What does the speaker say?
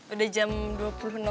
udah jam dua puluh normal kan